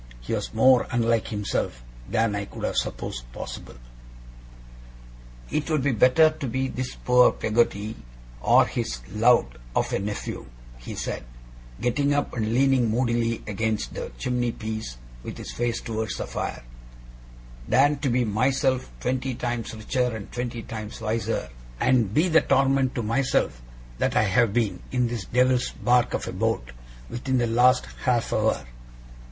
He was more unlike himself than I could have supposed possible. 'It would be better to be this poor Peggotty, or his lout of a nephew,' he said, getting up and leaning moodily against the chimney piece, with his face towards the fire, 'than to be myself, twenty times richer and twenty times wiser, and be the torment to myself that I have been, in this Devil's bark of a boat, within the last half hour!